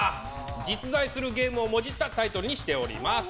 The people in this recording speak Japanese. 実在するゲームをもじったタイトルにしてあります。